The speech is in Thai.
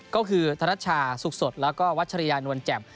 ก็คือธนชาสุกสดแล้วก็วัชยณวรแจม